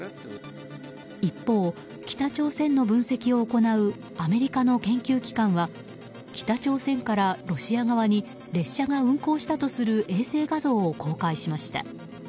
一方、北朝鮮の分析を行うアメリカの研究機関は北朝鮮からロシア側に列車が運行したとする衛星画像を公開しました。